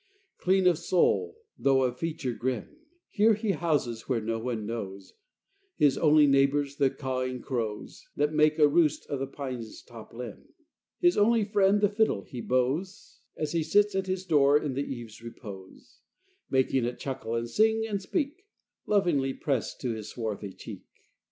Clean of soul, though of feature grim, Here he houses where no one knows, His only neighbors the cawing crows, That make a roost of the pine's top limb: His only friend the fiddle he bows As he sits at his door in the eve's repose Making it chuckle and sing and speak, Lovingly pressed to his swarthy cheek.